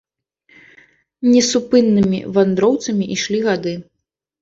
Несупыннымі вандроўцамі ішлі гады.